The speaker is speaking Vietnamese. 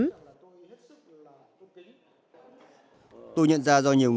tôi nhận ra do nhiều người nói tôi không thể thua kém